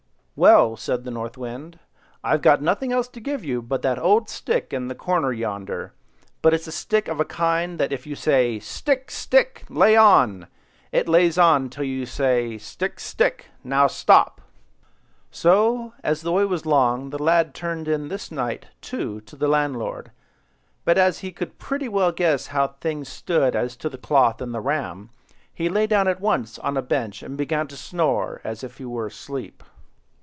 "Well," said the North Wind, "I've nothing else to give you but that old stick in the corner yonder; but it's a stick of that kind that if you say— 'Stick, stick! lay on!' it lays on till you say, 'Stick, stick! now stop!' So, as the way was long the lad turned in this night, too, to the landlord; but as he could pretty well guess how things stood as to the cloth and the ram, he lay down at once on the bench and began to snore, as if he were asleep.